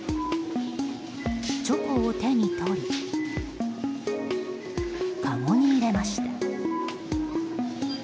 チョコを手に取りかごに入れました。